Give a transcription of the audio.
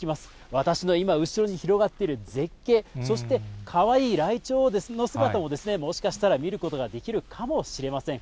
私の今、後ろに広がっている絶景、そしてかわいいライチョウの姿を、もしかしたら見ることができるかもしれません。